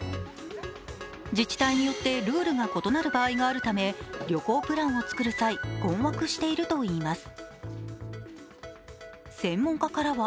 自治体によってルールが異なる場合があるため、旅行プランを作る際困惑しているといいます。